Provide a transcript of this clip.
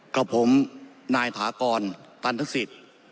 กับผมนายถากรตันทศิษย์